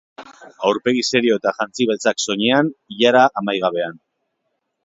Aurpegi serio eta jantzi beltzak soinean, ilara amaigabean.